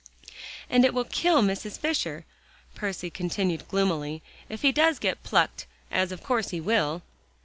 "And it will kill Mrs. Fisher," Percy continued gloomily, "if he does get plucked, as of course he will."